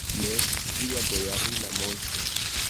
Ne, via bojarina moŝto!